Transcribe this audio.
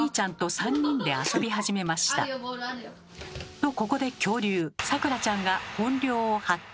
とここで恐竜さくらちゃんが本領を発揮。